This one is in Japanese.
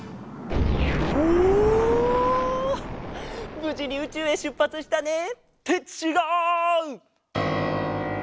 ぶじにうちゅうへしゅっぱつしたね！ってちがう！